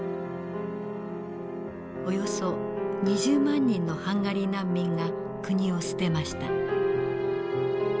およそ２０万人のハンガリー難民が国を捨てました。